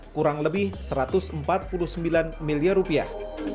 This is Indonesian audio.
kurang lebih satu ratus empat puluh sembilan miliar rupiah